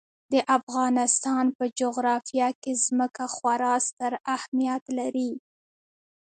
د افغانستان په جغرافیه کې ځمکه خورا ستر اهمیت لري.